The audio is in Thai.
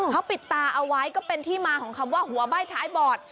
เขาปิดตาเอาไว้ก็เป็นที่มาของคำว่าหัวใบ้ท้ายบอด